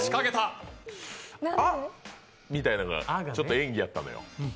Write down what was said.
あ、みたいなんがちょっと演技やったのよ。